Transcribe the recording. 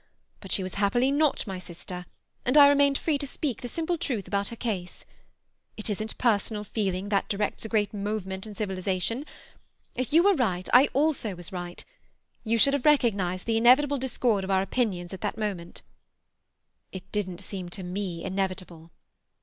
But she was happily not my sister, and I remained free to speak the simple truth about her case. It isn't personal feeling that directs a great movement in civilization. If you were right, I also was right. You should have recognized the inevitable discord of our opinions at that moment." "It didn't seem to me inevitable."